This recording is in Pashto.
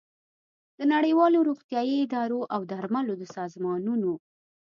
د نړیوالو روغتیايي ادارو او د درملو د سازمانونو